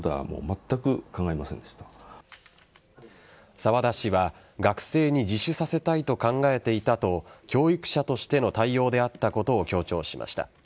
沢田氏は学生に自首させたいと考えていたと教育者としての対応であったことを強調しました。